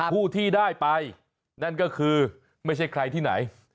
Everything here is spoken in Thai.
ผู้ที่ได้ไปนั่นก็คือไม่ใช่ใครที่ไหน